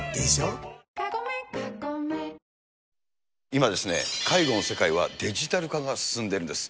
今、介護の世界はデジタル化が進んでるんです。